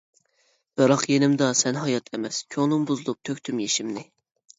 بىراق يېنىمدا سەن ھايات ئەمەس، كۆڭلۈم بۇزۇلۇپ تۆكتۈم يېشىمنى.